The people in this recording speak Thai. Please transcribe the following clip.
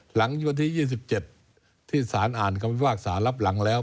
หลังวันที่๒๗ที่สารอ่านคำพิพากษารับหลังแล้ว